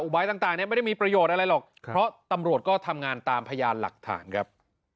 ใบต่างไม่ได้มีประโยชน์อะไรหรอกเพราะตำรวจก็ทำงานตามพยานหลักฐานครับ